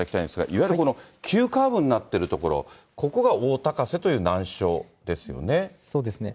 いわゆるこの急カーブになっている所、ここが大高瀬という難所でそうですね。